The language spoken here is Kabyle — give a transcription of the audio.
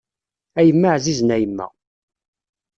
A yemma ɛzizen a yemma.